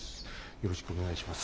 よろしくお願いします。